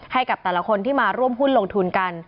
ให้กับแต่ละคนที่มาร่วมหุ้นลงทุนกัน